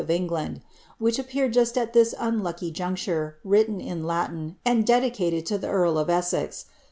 of England," which appeared jusi st ihij unlucky juncture, written in I^tin, and dedicated to the earl of E?Eei.